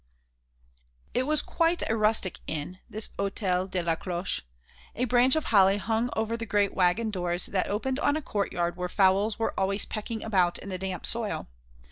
It was quite a rustic inn, this Hôtel de la Cloche. A branch of holly hung over the great waggon doors that opened on a courtyard where fowls were always pecking about in the damp soil.